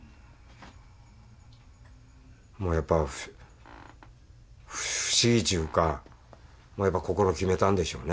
もうやっぱ不思議っちゅうかもうやっぱ心決めたんでしょうね。